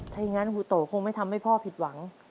ถ้าอย่างนั้นหูโตคงไม่ทำให้พ่อผิดหวัง